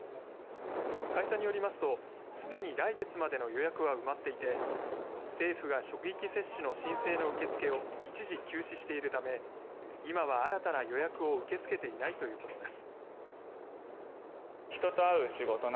会社によりますとすでに来月までの予約は埋まっていて政府が職域接種の申請の受け付けを一時休止しているため今は新たな予約を受け付けていないということです。